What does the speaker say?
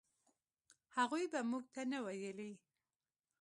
هغوی به موږ ته نه ویلې.